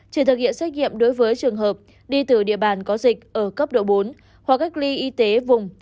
chỉ thực hiện xét nghiệm đối với trường hợp đi từ địa bàn có dịch ở cấp độ bốn hoặc cách ly y tế vùng